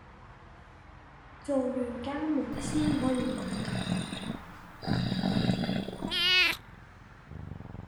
做完家務先至可以玩電腦